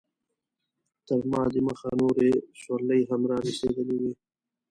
تر ما دمخه نورې سورلۍ هم رارسېدلې وې.